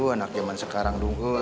anak jaman sekarang tuh